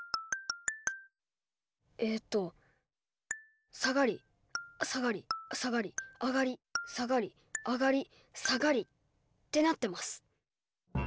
えっと下がり下がり下がり上がり下がり上がり下がりってなってます。